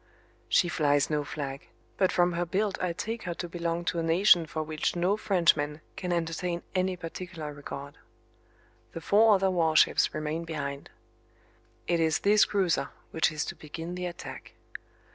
She flies no flag, but from her build I take her to belong to a nation for which no Frenchman can entertain any particular regard. The four other warships remain behind. It is this cruiser which is to begin the attack.